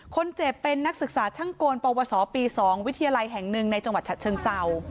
คนเจ็บเป็นนักศึกษาช่างกลปวสปี๒วิทยาลัยแห่งหนึ่งในจังหวัดฉะเชิงเศร้า